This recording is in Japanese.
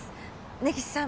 根岸さん